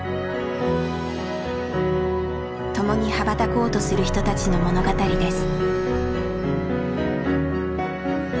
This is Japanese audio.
共に羽ばたこうとする人たちの物語です。